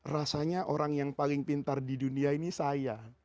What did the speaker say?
rasanya orang yang paling pintar di dunia ini saya